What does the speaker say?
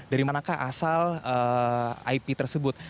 dari manakah asal ip tersebut